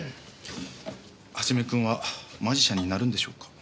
元君はマジシャンになるんでしょうか？